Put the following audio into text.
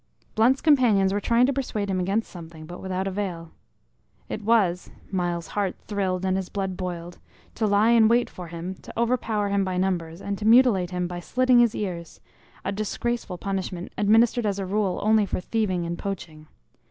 Blunt's companions were trying to persuade him against something, but without avail. It was Myles's heart thrilled and his blood boiled to lie in wait for him, to overpower him by numbers, and to mutilate him by slitting his ears a disgraceful punishment administered, as a rule, only for thieving and poaching.